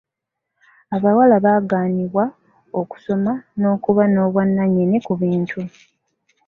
Abawala bagaanibwa okusoma n’okuba n’obwannannyini ku bintu.